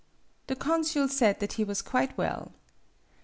The consul said that he was quite well.